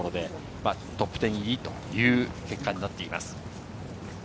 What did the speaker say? トップ１０入りという結果になっています。